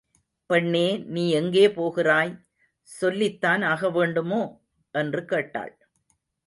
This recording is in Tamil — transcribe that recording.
பெண்ணே நீ எங்கே போகிறாய்? சொல்லித்தான் ஆகவேண்டுமோ? என்று கேட்டாள்.